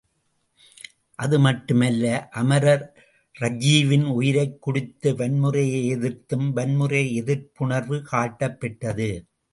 அது மட்டுமல்ல, அமரர் ராஜீவின் உயிரைக் குடித்த வன்முறையை எதிர்த்தும் வன்முறை எதிர்ப்புணர்வு காட்டப்பெற்றது.